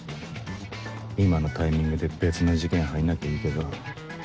今のタイミングで別の事件入んなきゃいいけど